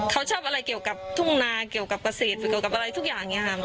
เขาชอบอะไรเกี่ยวกับทุ่งนาเกี่ยวกับเกษตรเกี่ยวกับอะไรทุกอย่าง